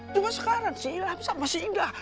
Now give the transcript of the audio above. cuma sekarang si ilham sama si indah